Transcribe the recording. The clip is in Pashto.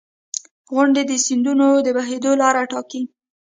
• غونډۍ د سیندونو د بهېدو لاره ټاکي.